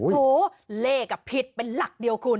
โหเลขผิดเป็นหลักเดียวคุณ